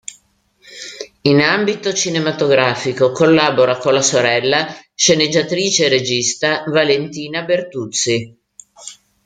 In ambito cinematografico collabora con la sorella sceneggiatrice e regista, Valentina Bertuzzi.